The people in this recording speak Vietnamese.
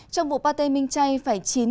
trong vụ pate minh chay phải chín